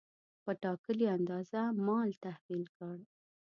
په ټاکلې اندازه مال تحویل کړ.